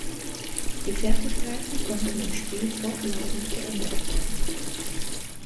Die Fertigkeiten konnten im Spiel fortlaufend geändert werden.